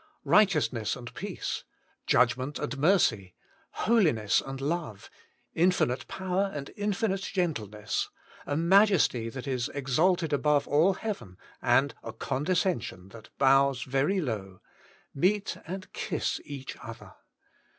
Kighteousnesss and peace, judg ment and mercy, holiness and love, infinite power and infinite gentleness, a majesty that is exalted above all heaven, and a condescension that bows very low, meet and kiss each other.